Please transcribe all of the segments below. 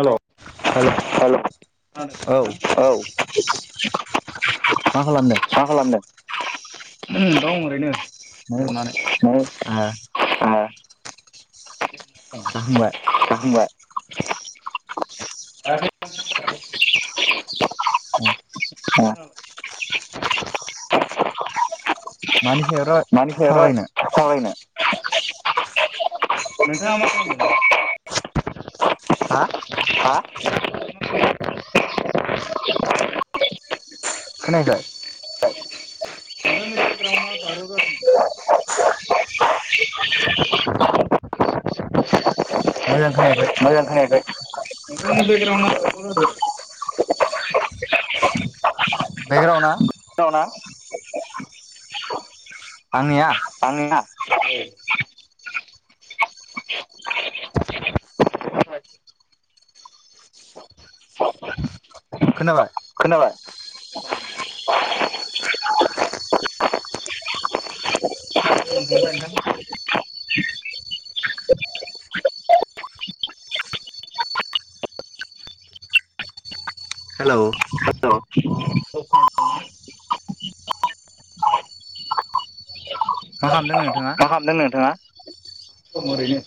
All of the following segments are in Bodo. हेल' हेल' औ मा मा खालामदों खालामदों? उम दं ओरैनो। नै जनानै ए [unintelligible] जाखांबाय जाखांबाय [unintelligible] ए [unintelligible] औ मानि सा रा सावरायनो? [unintelligible] [unintelligible] नोंथाङानो बुं हा हा [unintelligible] खोनायाखै [unintelligible] मोजां खोनायाखै नोंथांनि मोजां खोनायाखै बकग्राउना बा जादों [inaudible] बेकग्राउन आ ना आंनिया [inaudible] आंनिया [unintelligible] [inaudible] [inaudible] खोनाबाय? [inaudible] [inaudible] हेल' मा खालामदों मा नों? खालामदों नोंथाङा? दं ओरैनो।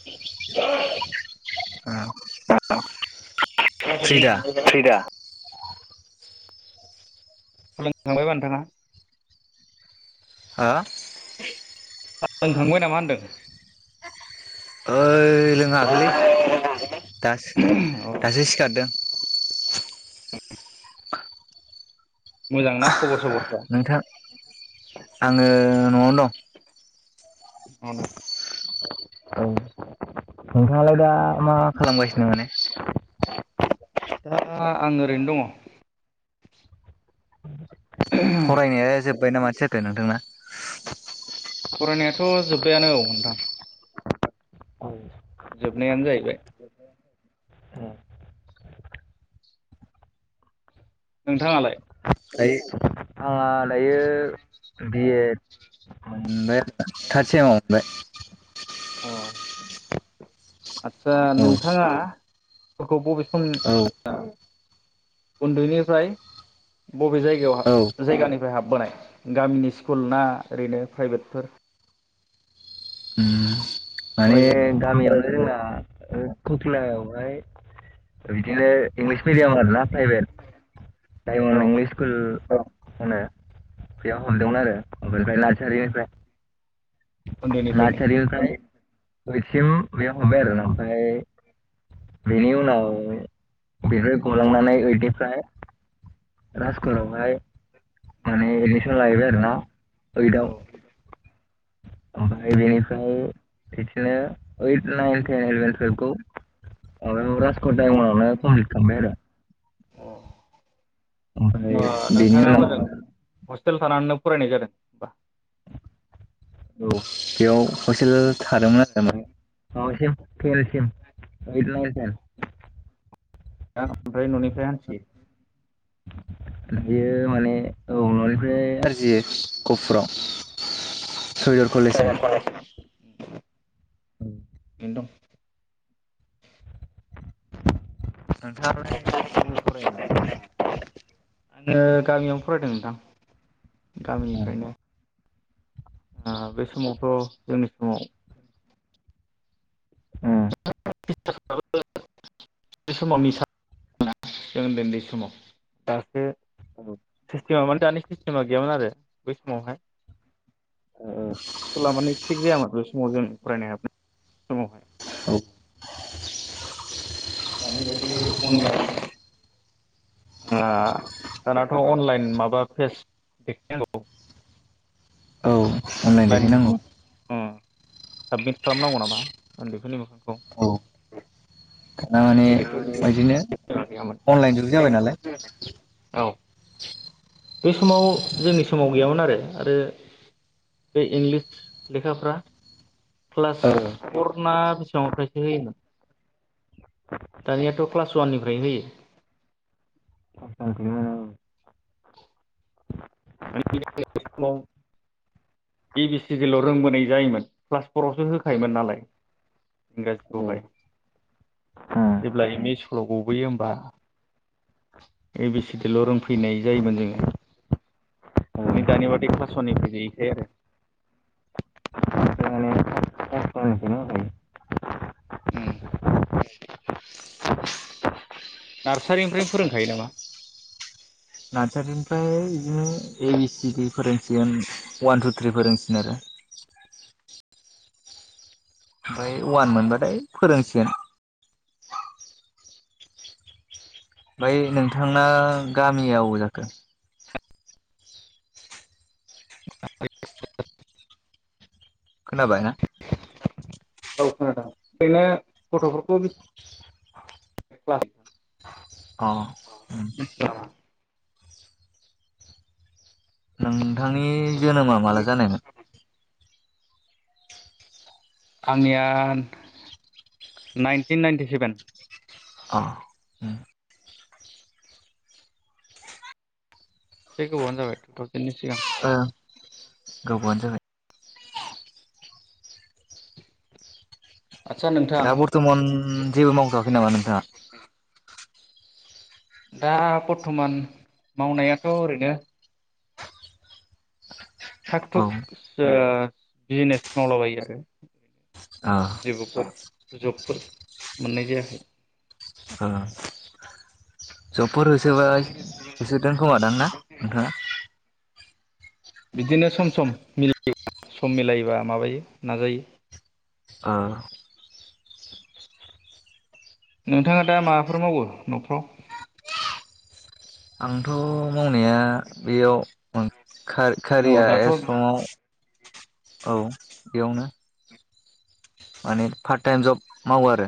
फ्रि दा फ्रि दा? फोरोंखांबायबा नोंथाङा? हा? फोरोंखांबाय नामा होनदों? ओ दै लोङाखैलै दासो दासो सिखारदों। मोजां ना? नोंथां आङो ओं न'आव दं। न'आवनो [unintelligible] नोंनालाय दा मा खालामगासिनो माने? दा आं ओरैनो दङ। फरायनाया जोब बायना माथो जाखो नोंथांना? फरायनायाथ' जोब्बायानो औ नोंथां। जोबनायानो जाहैबाय। नोंथाङालाय? [unintelligible] आंहा दायो बि एड मोनबाय थाद सेमाव मोनबाय। अ आदसा औ नोंथाङा फोरखौ बबे औ [unintelligible] उन्दैनिफ्राय बबे औ जायगायाव जायगानिफ्राय हाबबोनाय गामिनि स्कुल ना ओरैनो प्राइभेटफोर? उम माने फरायजेननाया गामियावनो जोंना ओ कखिलायाव ओमफ्राय बिदिनो इंलिस मिडियाम आर ना प्राइभेट, औ डायमनद इंलिस स्कुल औ होनो बेयाव हाबदोंमोन आरो नारसारिनिफ्राय उन्दैनिफ्रायनो नारसारिनिफ्राय ओइदसिम बेयाव थांबिय आरो ना ओमफ्राय बेनि उनाव बेनिफ्राय गलांनानै ओइदनिफ्राय रास इसकुलावहाय माने इदमिसन लाहैबाय आरो ना ओइद आव ओमफ्राय बिनिफ्राय बेदिनो ओइद, नायन, थेन, इलिफेन्टखौ आरो रासखर डाइमनद आवनो कमफिलद खालामबाय आरो। अ ओमफ्राय बिनि उनाव हस्टेल थानानैनो फरायनाय जादों होमबा। औ। बेयाव हस्टेल थादोंमोन आरो माने। [unintelligible] दा ओमफ्राय न'निफ्राय हान्थियो। बियो माने। औ न'निफ्राय हानथियो। गहपुराव। सयदर कलेजाव। [inaudible] औ। [inaudible] नोंथाङा बबेयाव फरायनायमोन। [unintelligible] आङो गामियावनो फरायदों नोंथां। उम गामिनिफ्रायनो। बे समावथ' जोंनि समाव। उम। [unintelligible] औ। सिस्टेमा माने दानि सिस्टेमा गैयामोन आरो बै समावहाय। स्कुला माने थिग जायामोन बे समाव जों फरायनाय बै समावहाय। ओ। दानि बायदि अनलाइन दानाथ' अनलाइन माबा फेस देखायनांगौ। अनलाइन देखायनांगौ। साबमिट खालामनांगौ नामा उन्दैफोरनि मो औ दाना माने गोदोथ' बिदिनो गैयामोन अनलाइन जुग जाबाय नालाय। औ बे समाव जोंनि समाव गैयामोन आरो आरो बे इंलिस लेखाफ्रा क्लास औ फरना बेसेबां फ्रायसो होयोमोन दानियाथ' क्लास अवाननिफ्राय होयो। [unintelligible] ए बि सिडिल' रोंबोनाय जायोमोन क्लास फरावसो होखायोमोन नालाय इंराजिखौहाय जेब्ला एम-इ स्कुलाव गबोयो होमबा ए बि सिडिल' रोंफैनाय जायोमोन जोङो। नै दानि बादि क्लास अवाननिफ्राय गैयैखाय आरो। ओमफ्राय माने अफलाइनखौनो होखायो उम। नार्सारिनिफ्रायनो फोरोंखायो नामा। नार्सारिनिफ्राय बिदिनो ए बि सि डि फोरोंसिगोन अवान, टु, थ्रि फोरोंसिगोन आरो। ओमफ्राय अवान मोनबाथाय फोरोंसिगोन। ओंमफ्राय नोंथांना गामियाव अबाव जाखो। [inaudible] खोनाबायना। ओ खोनादों ओरैनो गथ'फोरखौ अ। [unintelligible] नोंथांनि जोनोमा माला जानायमोन? आंनिया नाइनटिन नाइनटि सेभेन। अ। बे गोबावानो जाबाय [unintelligible] सिगां। ओ गोबावानो जाबाय। आदसा नोंथां दा बरथ'मान जेबो मावथ'आखै नामा नों? दा दा बर्थमान मावनायाथ' ओरैनो थाग थुक औ ओ बिजिनेस मावलाबायो आरो ओ ओ [unintelligible] जबफोर मोननाय जायाखै। जब फोर होसोबाय होसोदों खोमादां ना नोंथाङा? बिदिनो सम सम [unintelligible] सम मिलायोबा माबायो नाजायो। आ नोंथाङा दा माबाफोर मावो न'फ्राव? आंथ' मावनाया बेयाव औ खा-खारिया दाथ' [unintelligible] औ बेयावनो माने पार्ट टाइम जब मावो आरो।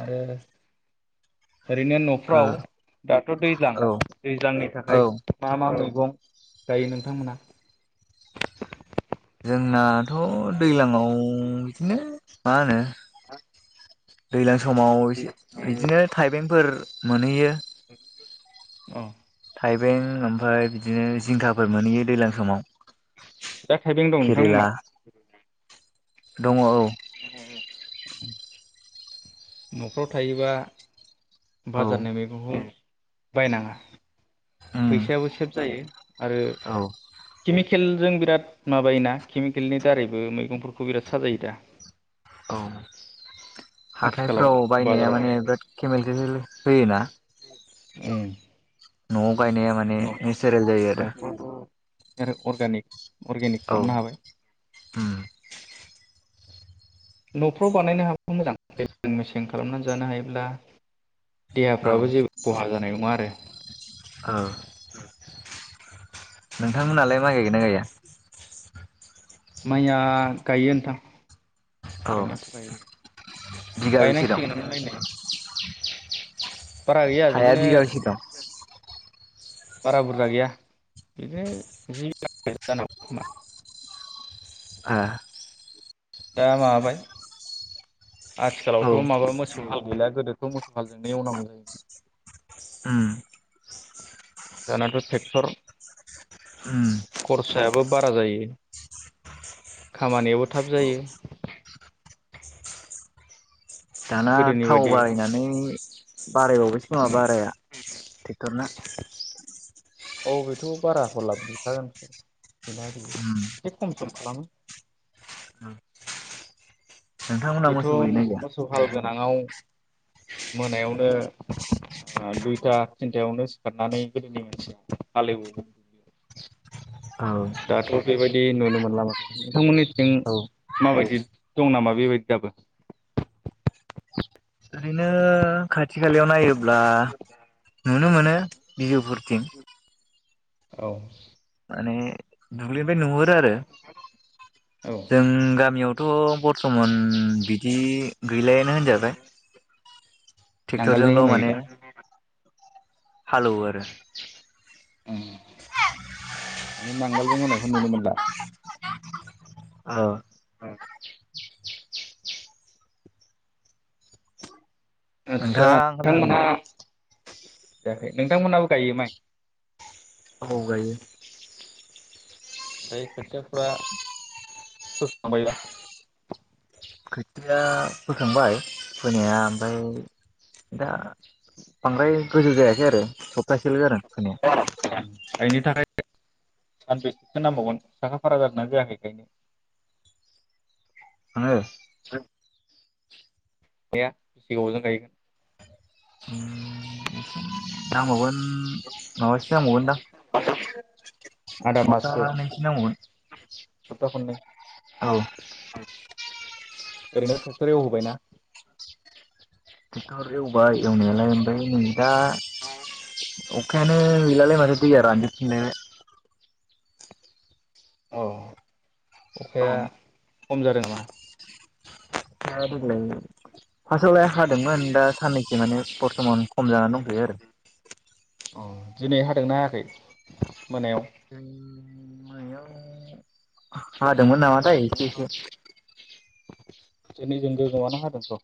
आरो ओरैनो न'फ्राव दाथ' दैज्लां ओ दैज्लांनि औ थाखाय औ मा मा मै गं गायो नोंथांमोना जोंनाथ' दैलाङाव बिदिनो मा होनो दैला समाव इदिनो थाइबेंफोर मोनहैयो औ थाइबें ओमफ्राय बिदिनो जिंखाफ फोर मोनहैयो दैज्लां समाव दा थाइबें दं केरेला नोंथांमोननाव दङ औ [unintelligible] न'फ्राव थायोबा औ बाजारनि मैगंखौ बायनाङा उम फैसायाबो सेभ जायो आरो औ [unintelligible] केलजों बिराद माबायोना केमिकेलनि दारैबो मैगंफोरखौ बिराद साजायो दा? औ आथिखालाव हाथायफ्राव बायनाया बाजाराव माने बिराद केमेल होयोना अम न आव बायनाया माने नेचारेल जायो आरो न'फ्रावथ' आरो अर्गानिक अर्गेनिक औ खालामनो हाबाय। उम नफ्राव बानायनो हाबखौ मोजां मजां मेसें खालामनानै जानो हायोब्ला औ देहाफ्राबो जेबो खहा जानाय नङा आरो औ नोंथांमोनालाय माइ गायगोन ना गैया? माइया गायो नोंथां। औ गायनायाथ गायो बिगाबेसे दं गायनांसिगोन लायनै हाया बिगाबेसेदं? बारा बुरजा गैया बिदिनो जि जानांगौ खोमा ओ दा माबाबाय औ आथिखालावथ माबा मो मोसौ हाल गैलिया गोदोथ मोसौ हालजोंनो एवनांगौ जायोमोन उम दानाथ ट्रेक्टर उम खरसायाबो बारा जायो खामानियाबो थाब जायो दाना गोदोनि थाव बायदि बायनानै बारायबावबायसो नामा उम बाराया ट्रेक्टरना ओ बेथ बारा हलाब बिखागोनस बेना बि उम एसे खम सम खालामो उम नोंथांमोनहा मोसौ गैना गैया? दालाङाव मोनायावनो दुइथा थिनथायावनो सिखारनानै गोदोनि मानसिया हालेवो। औ। दाथ' बेबायदि नुनो मोनला माथो नोंथांमोनिथिं औ माबायदि, दं नामा बेबायदि दाबो? ओरैनो [unintelligible] खाथि खालायाव नायो ब्ला नुनो मोनो। बिजु फुरथिं। औ। माने दुब्लि निफ्राय नुहुरो आरो औ जों गामियावथ बर्थमान बिदि गैलायानो होनजाबाय। नांगोलजों ट्रेक्टरजोंल एवनाय माने गैला हालौवो आरो। [unintelligible] माने नांगोलजों एवनायखौ नुनो मोनला। औ। [inaudible] आदसा नोंथाङा ओंखाम नोंथांमोनहा जाखांबाय जायाखै, नोंथांमोनहाबो गायो माइ? औ गायो। ओमफ्राय खोथियाफोरा फोखांबायबा? खोथिया फोखांबाय फोनाया ओमफ्राय दा बांद्राय गोजौ जायाखै आरो स सबथासेल जादों फोनाया। बेनि थाखाय सानबेसेसो नांबावगोन साखा फारा जादोंना जायाखै गायनो? आङो। [unintelligible] बेसे गोबावजों गायगोन। उम नांबावगोन। माबासो नांबावगोनदां आदा माससो सप्तानैसो नांबावगोन। सप्ता खननै। औ। ओरैनो ट्रेक्टर एवहोबायना? टेक्टर एवबाय एवनायालाय ओमफाय नै दा अखायानो गैलालै। [unintelligible] दैया रानजोबफिनलायबाय। औ। औ अखाया खम जादों नामा? अखाया देग्लाय फासावलाय हादोंमोन दा साननैखि माने बर्थमान खम जानानै दंथयो आरो आ दिनै हादोंना हायाखै मोनायाव उम हादोंमोन नामाथाय एसे एसे जोंनिजों गोगोमानो हादोंथ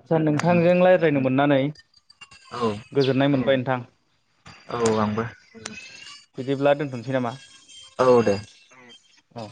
आदसा नोंथांजों रायज्लायनो मोननानै औ गोजोननाय मोनबाय नोंथां औ आंबो बिदिब्ला दोनथनोसै नामा औ दे औ